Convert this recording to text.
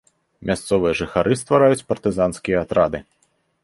Мясцовыя жыхары ствараюць партызанскія атрады.